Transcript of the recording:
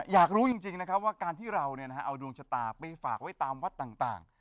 อยากรู้จริงนะครับว่าการที่เราเอาดวงชะตาไปฝากไว้ตามวัดต่าง